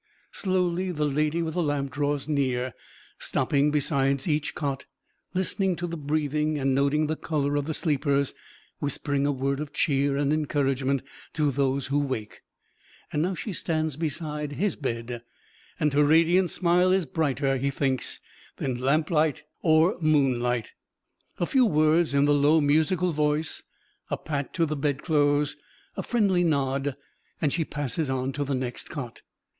Slowly the Lady with the Lamp draws near, stopping beside each cot, listening to the breathing and noting the color of the sleepers, whispering a word of cheer and encouragement to those who wake. Now she stands beside his bed, and her radiant smile is brighter, he thinks, than lamplight or moonlight. A few words in the low, musical voice, a pat to the bedclothes, a friendly nod, and she passes on to the next cot.